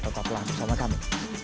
tetap lagi bersama kami